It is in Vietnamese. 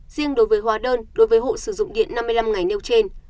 riêng đối với hóa đơn đối với hộ sử dụng điện năm mươi năm ngày nêu trên